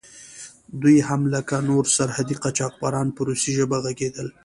دوی هم لکه نور سرحدي قاچاقبران په روسي ژبه غږېدل.